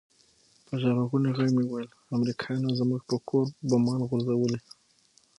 په ژړغوني ږغ مې وويل امريکايانو زموږ پر کور بمان غورځولي.